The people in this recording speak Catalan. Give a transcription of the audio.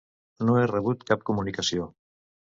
No he rebut cap comunicació.